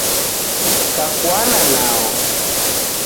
Kakuana nao